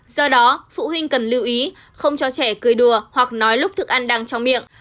do đó phụ huynh cần lưu ý không cho trẻ cười đùa hoặc nói lúc ăn đang trong miệng